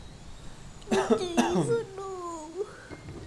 Mae Dave yn ôl!